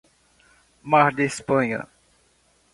Mar de Espanha